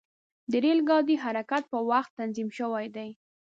د ریل ګاډي حرکت په وخت تنظیم شوی دی.